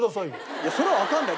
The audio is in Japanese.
いやそれはわかんない。